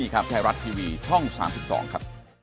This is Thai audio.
ครับ